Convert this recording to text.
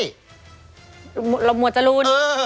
หมวดจรูน